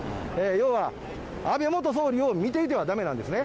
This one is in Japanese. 要は安倍元総理を見ていてはだめなんですね。